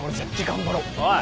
おい！